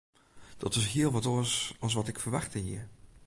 Dat is hiel wat oars as wat ik ferwachte hie.